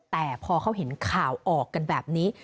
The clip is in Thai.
แต่พอเขาเห็นข่าวออกกันแบบนี้